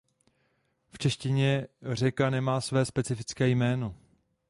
V češtině řeka nemá své specifické jméno.